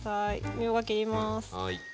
みょうが切ります。